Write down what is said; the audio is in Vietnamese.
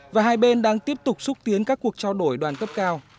và hai bên đang tiếp tục xúc tiến các cuộc trao đổi đoàn cấp cao